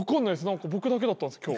何か僕だけだったんです今日。